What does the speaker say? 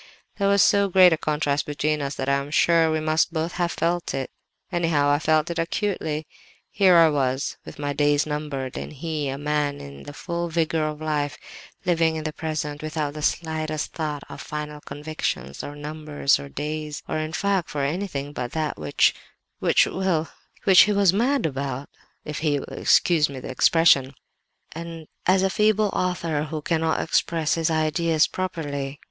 There was so great a contrast between us that I am sure we must both have felt it; anyhow, I felt it acutely. Here was I, with my days numbered, and he, a man in the full vigour of life, living in the present, without the slightest thought for 'final convictions,' or numbers, or days, or, in fact, for anything but that which which—well, which he was mad about, if he will excuse me the expression—as a feeble author who cannot express his ideas properly.